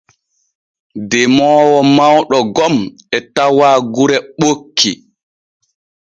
Demoowo mawɗo gom e tawa gure ɓokki.